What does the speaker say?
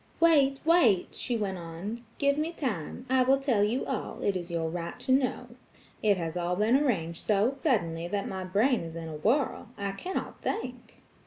"Wait, wait!" she went on, "give me time. I will tell you all; it is your right to know. It has all been arranged so suddenly that my brain is in a whirl–I cannot think!"